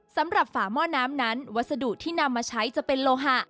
ฝาหม้อน้ำนั้นวัสดุที่นำมาใช้จะเป็นโลหะ